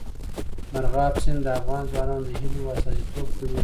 مورغاب سیند د افغان ځوانانو د هیلو استازیتوب کوي.